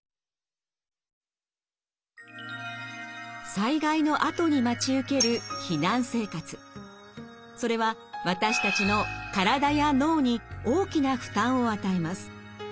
災害のあとに待ち受けるそれは私たちの体や脳に大きな負担を与えます。